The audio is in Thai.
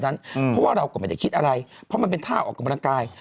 เพราะว่าเราก็ไม่ได้คิดอะไรเพราะมันเป็นท่าออกกำลังกาย